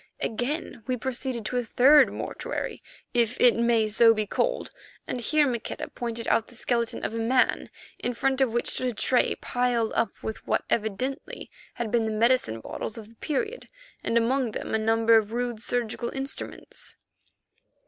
Again we proceeded to a third mortuary, if it may so be called, and here Maqueda pointed out the skeleton of a man, in front of which stood a tray piled up with what evidently had been the medicine bottles of the period and among them a number of rude surgical instruments.